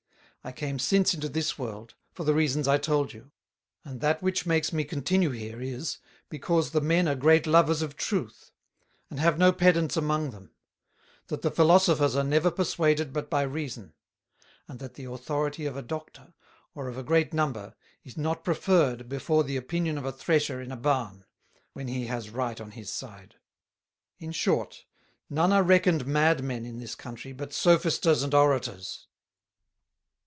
I came since into this World, for the Reasons I told you; and that which makes me continue here, is, because the Men are great lovers of Truth; and have no Pedants among them; that the Philosophers are never perswaded but by Reason, and that the Authority of a Doctor, or of a great number, is not preferred before the Opinion of a Thresher in a Barn, when he has right on his side. In short, none are reckoned Madmen in this Country, but Sophisters and Orators."